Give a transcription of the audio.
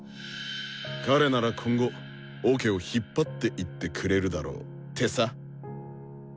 「彼なら今後オケを引っ張っていってくれるだろう」ってさ。